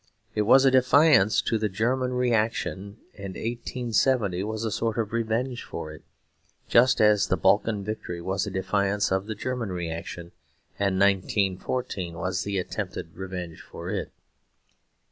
It was a defiance to the German Reaction and 1870 was a sort of revenge for it, just as the Balkan victory was a defiance to the German Reaction and 1914 was the attempted revenge for it.